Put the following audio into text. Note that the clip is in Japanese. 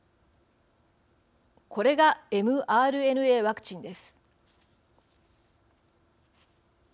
これがｍＲＮＡワクチンです。